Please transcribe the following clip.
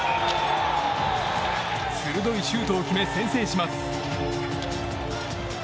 鋭いシュートを決め先制します。